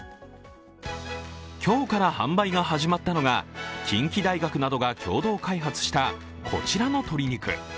今日から販売が始まったのが近畿大学などが共同開発したこちらの鶏肉。